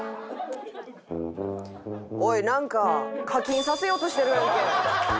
おいなんか課金させようとしてるやんけ。